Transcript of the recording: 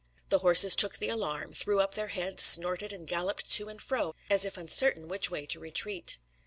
The horses took the alarm; threw up their heads, snorted, and galloped to and fro, as if uncertain which way to retreat.